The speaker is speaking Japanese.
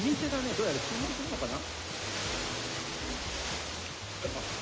どうやら注文するのかな？